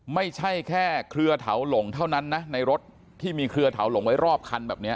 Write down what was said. ไม่ใช่แค่เครือเถาหลงเท่านั้นนะในรถที่มีเครือเถาหลงไว้รอบคันแบบนี้